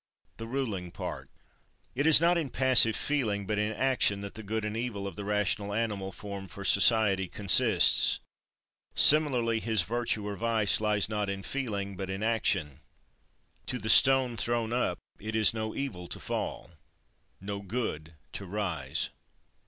The ruling part. 16. It is not in passive feeling, but in action, that the good and evil of the rational animal formed for society consists. Similarly his virtue or his vice lies not in feeling but in action. 17. To the stone thrown up it is no evil to fall; no good to rise. 18.